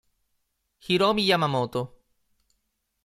Hiromi Yamamoto